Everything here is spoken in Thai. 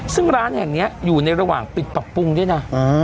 ซึ่งร้านแห่งนี้อยู่ในระหว่างปิดปรับปรุงด้วยนะ